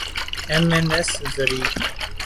M N S زرعی